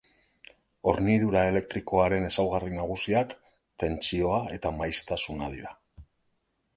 Hornidura elektrikoaren ezaugarri nagusiak tentsioa eta maiztasuna dira.